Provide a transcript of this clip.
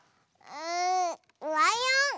んライオン！